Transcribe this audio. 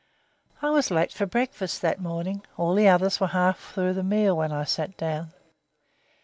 I was late for breakfast that morning. All the others were half through the meal when I sat down.